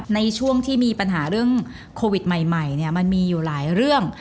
ในช่วงที่มีปัญหาเรื่องโควิดใหม่มันมีอยู่หลายเรื่อง